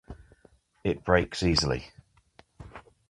It breaks easily.